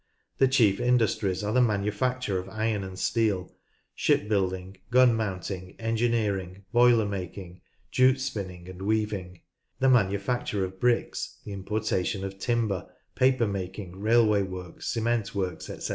The chief industries are the manufacture ot Barrow in Furness: Devonshire Dock iron and steel, shipbuilding, gun mounting, engineering, boiler making, jute spinning and weaving, the manufacture of bricks, the importation of timber, paper making, railway works, cement works, etc.